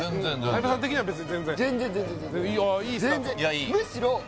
相葉さん的には別に全然？